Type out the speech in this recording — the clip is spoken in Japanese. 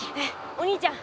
お兄ちゃん